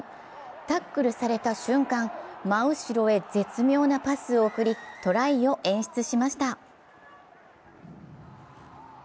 タックルされた瞬間、真後ろへ絶妙なパスを送りトライを演出しました。